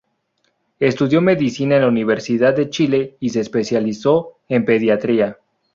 Estudió medicina en la Universidad de Chile y se especializó en pediatría.